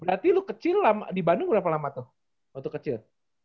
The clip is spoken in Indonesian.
berarti lu kecil lama di bandung berapa lama tuh waktu kecil